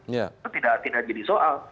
itu tidak jadi soal